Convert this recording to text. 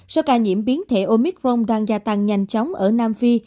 số ca nhiễm biến thể omicron đang gia tăng nhanh chóng ở nam phi